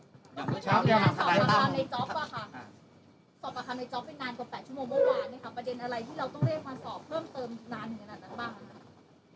สอบกระทำในจอบเป็นนานกว่า๘ชั่วโมงเมื่อวานประเด็นอะไรที่เราต้องเรียกมาสอบเพิ่มเติมนานอย่างนั้นบ้าง